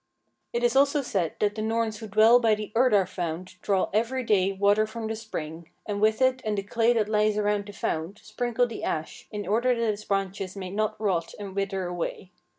"It is also said that the Norns who dwell by the Urdar fount draw every day water from the spring, and with it and the clay that lies around the fount sprinkle the ash, in order that its branches may not rot and wither away.